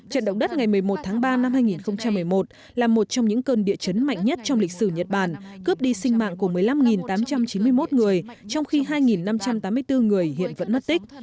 trận động đất ngày một mươi một tháng ba năm hai nghìn một mươi một là một trong những cơn địa chấn mạnh nhất trong lịch sử nhật bản cướp đi sinh mạng của một mươi năm tám trăm chín mươi một người trong khi hai năm trăm tám mươi bốn người hiện vẫn mất tích